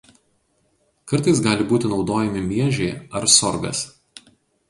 Kartais gali būti naudojami miežiai ar sorgas.